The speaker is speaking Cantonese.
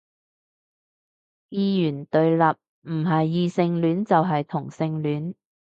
二元對立，唔係異性戀就係同性戀